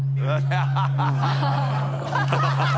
ハハハ